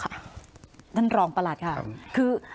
เพราะฉะนั้นทำไมถึงต้องทำภาพจำในโรงเรียนให้เหมือนกัน